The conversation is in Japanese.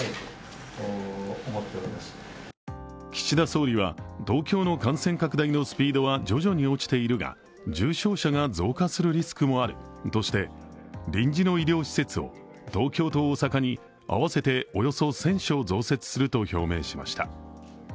岸田総理は、東京の感染拡大のスピードは徐々に落ちているが重症者が増加するリスクもあるとして、臨時の医療施設を東京と大阪に合わせておよそ１０００床増設すると表明しました。